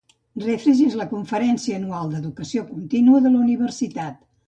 "Refresh" és la conferència anual d'educació continua de la universitat.